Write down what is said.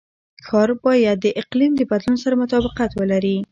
ښار باید د اقلیم د بدلون سره مطابقت ولري.